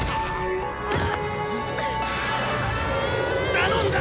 頼んだ！